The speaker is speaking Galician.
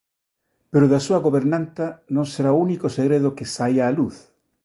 Pero o da súa gobernanta non será o único segredo que saia á luz.